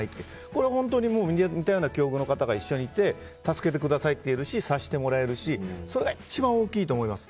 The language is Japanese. これは本当に似たような境遇の方が一緒にいて助けてくださいと言えるし察してもらえるのが一番大きいと思います。